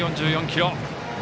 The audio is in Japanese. １４４キロ。